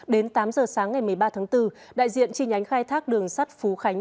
đến tám giờ sáng ngày một mươi ba tháng bốn đại diện chi nhánh khai thác đường sắt phú khánh